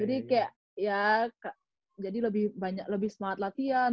jadi kayak ya jadi lebih semangat latihan